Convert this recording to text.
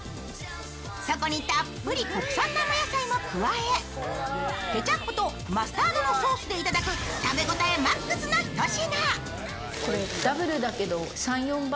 そこにたっぷり国産生野菜も加えケチャップとマスタードのソースでいただく、食べ応えＭＡＸのひと品。